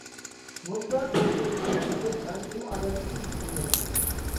مۇنبەر باشقۇرۇش سەنئىتى ھەرگىزمۇ ئادەتتىكى ئىش ئەمەس.